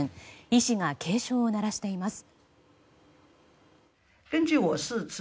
医師が警鐘を鳴らしています。